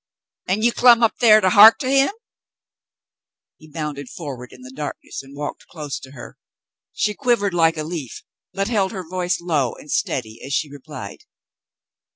"An' you clum' up thar to heark to him ?" He bounded forward in the darkness and walked close to her. She quivered like a leaf, but held her voice low and steady as she replied.